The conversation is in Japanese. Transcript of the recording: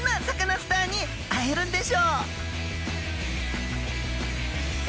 スターに会えるんでしょう